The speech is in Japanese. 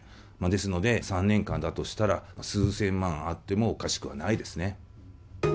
ですので、３年間だとしたら、数千万あってもおかしくはないですね。